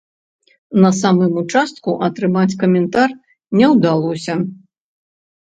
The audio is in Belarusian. На самым участку атрымаць каментар не ўдалося.